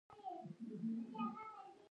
د هېواد مرکز د افغانستان د شنو سیمو ښکلا ده.